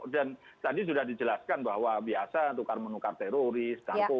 dan tadi sudah dijelaskan bahwa biasa tukar menukar teroris